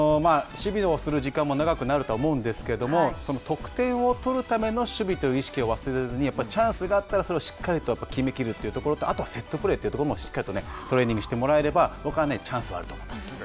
守備をする時間も長くなると思うんですけれども得点を取るための守備という意識を忘れずにチャンスがあったらそれをしっかりと決め切るというところとあとはセットプレーというところもしっかりとトレーニングしてもらえば僕はチャンスがあると思います。